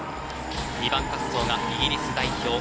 ２番滑走がイギリス代表